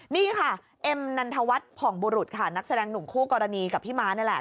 นี่ค่ะเอ็มนันทวัฒน์ผ่องบุรุษค่ะนักแสดงหนุ่มคู่กรณีกับพี่ม้านี่แหละ